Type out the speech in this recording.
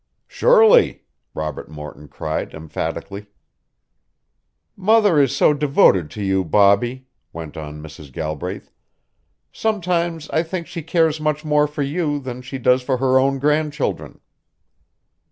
"Surely!" Robert Morton cried emphatically. "Mother is so devoted to you, Bobbie," went on Mrs. Galbraith. "Sometimes I think she cares much more for you than she does for her own grandchildren."